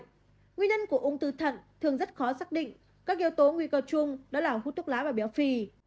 nguyên nhân của ung tư thận thường rất khó xác định các yếu tố nguy cơ chung đó là hút thuốc lá và béo phì